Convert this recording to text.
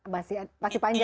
masih panjang ya